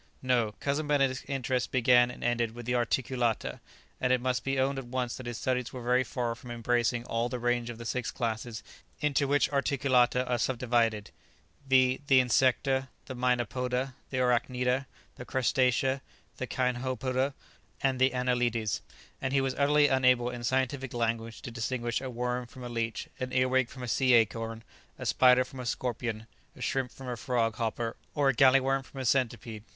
No; Cousin Benedict's interest began and ended with the articulata; and it must be owned at once that his studies were very far from embracing all the range of the six classes into which "articulata" are subdivided; viz, the insecta, the mynapoda, the arachnida, the crustacea, the cinhopoda, and the anelides; and he was utterly unable in scientific language to distinguish a worm from a leech, an earwig from a sea acorn, a spider from a scorpion, a shrimp from a frog hopper, or a galley worm from a centipede.